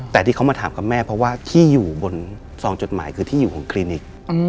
แต่ที่เขามาถามกับแม่เพราะว่าที่อยู่บนซองจดหมายคือที่อยู่ของคลินิก